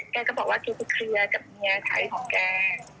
แกก็บอกว่าแกไปเคลียร์กับเมียไทยของแก